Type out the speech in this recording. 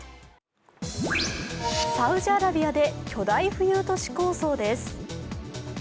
サウジアラビアで巨大浮遊都市構想です。